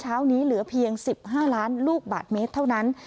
เช้านี้เหลือเพียง๑๕ล้านลูกบาทเมตรเท่านั้น